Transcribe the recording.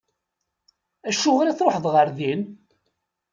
Acuɣer i tṛuḥeḍ ɣer din?